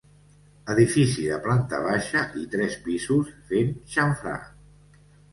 Edifici de planta baixa i tres pisos fent xamfrà.